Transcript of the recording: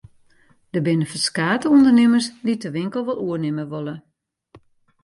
Der binne ferskate ûndernimmers dy't de winkel wol oernimme wolle.